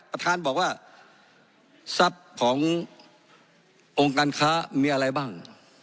ประธานบอกว่าทรัพย์ขององค์การค้ามีอะไรบ้าง